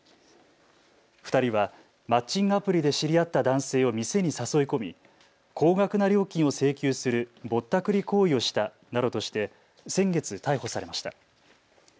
２人はマッチングアプリで知り合った男性を店に誘い込み高額な料金を請求するぼったくり行為をしたなどとして先月、逮捕されました。